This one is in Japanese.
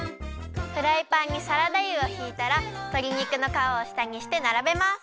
フライパンにサラダ油をひいたらとりにくのかわをしたにしてならべます。